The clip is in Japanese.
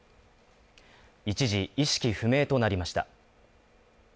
一時、意識不明となりました。